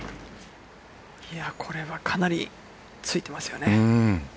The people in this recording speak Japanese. これはかなりついていますね。